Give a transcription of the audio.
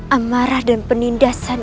amarah dan penindasan